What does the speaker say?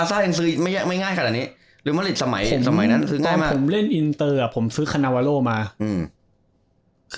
จนไปพี่โกมาคือถ้ามันซื้อง่ายเพราะอยู่บ้างมาก